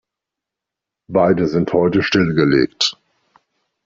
Beide sind heute stillgelegt.